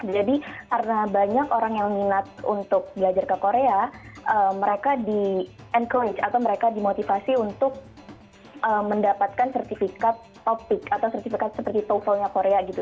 jadi karena banyak orang yang minat untuk belajar ke korea mereka dimotivasi untuk mendapatkan sertifikat topik atau sertifikat seperti toeflnya korea gitu